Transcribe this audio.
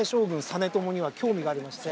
実朝には興味がありまして。